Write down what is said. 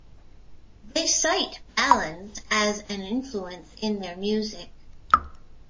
They cite Valens as an influence in their music.